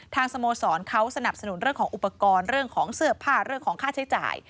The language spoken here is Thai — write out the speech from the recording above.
สโมสรเขาสนับสนุนเรื่องของอุปกรณ์เรื่องของเสื้อผ้าเรื่องของค่าใช้จ่าย